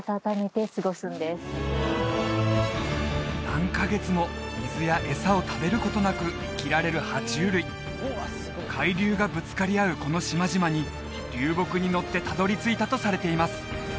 何カ月も水や餌を食べることなく生きられる爬虫類海流がぶつかり合うこの島々に流木にのってたどり着いたとされています